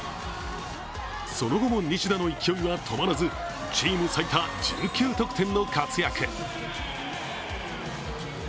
その後も、西田の勢いは止まらずチーム最多１９得点の活躍。